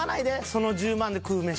その１０万で食う飯。